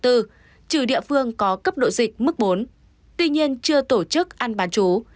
trừ địa phương có cấp độ dịch mức bốn tuy nhiên chưa tổ chức ăn bán chú